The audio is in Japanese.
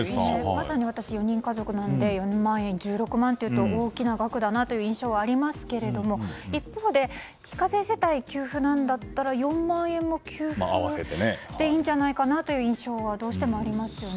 まさに私４人家族なので１６万というと大きな額だなという印象はありますが一方で、非課税世帯給付ならば４万円も給付でいいんじゃないかなという印象はどうしてもありますよね。